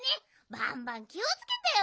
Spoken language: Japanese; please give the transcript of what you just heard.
バンバンきをつけてよ！